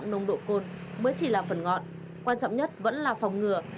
vi phạm nồng độ cồn mới chỉ là phần ngọn quan trọng nhất vẫn là phòng ngừa